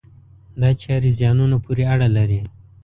دا چارې زیانونو پورې اړه لري.